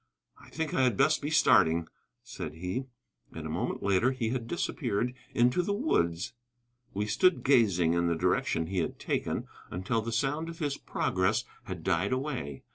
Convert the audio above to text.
"I think I had best be starting," said he. And a moment later he had disappeared into the woods. We stood gazing in the direction he had taken, until the sound of his progress had died away.